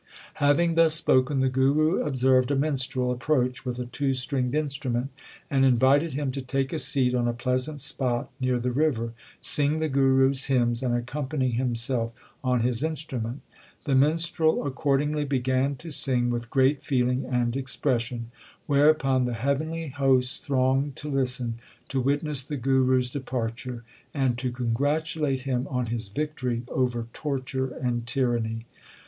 Having thus spoken the Guru observed a minstrel approach with a two stringed instrument, and invited him to take a seat on a pleasant spot near the river, sing the Guru s hymns, and accompany himself on his instrument. The minstrel accordingly began H 2 ioo THE SIKH RELIGION to sing with great feeling and expression, whereupon the heavenly hosts thronged to listen, to witness the Guru s departure, and to congratulate him on his victory over torture and tyranny.